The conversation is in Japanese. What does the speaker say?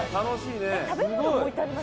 「食べ物置いてあります？」